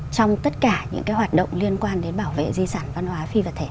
trong tất cả những hoạt động liên quan đến bảo vệ di sản văn hóa phi vật thể